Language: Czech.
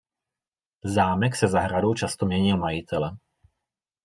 Zámek se zahradou často měnil majitele.